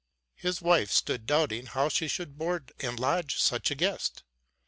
His wife stood doubting how she should board and lodge such a guest.